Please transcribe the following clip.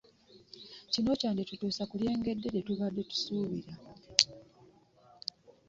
Kino kyanditutuusa ku lyengedde lye tubadde tuluubirira.